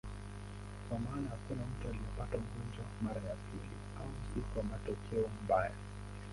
Kwa maana hakuna mtu aliyepata ugonjwa mara ya pili, au si kwa matokeo mbaya.